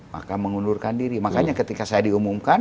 maka mengundurkan diri makanya ketika saya diumumkan